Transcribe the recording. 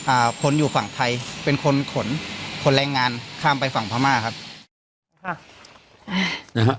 คนอยู่ฝั่งไทยเป็นคนขนคนแรงงานข้ามไปฝั่งพม่าครับค่ะอ่านะฮะ